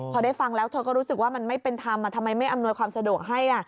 พอได้ฟังแล้วเธอก็รู้สึกว่ามันไม่เป็นธรรมทำไมไม่อำนวยความสะดวกให้